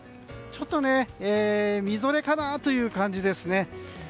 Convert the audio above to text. ちょっとみぞれかなという感じですね。